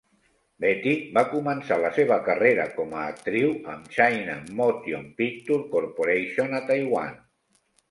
Betty va començar la seva carrera com a actriu amb "China Motion Picture Corporation" a Taiwan.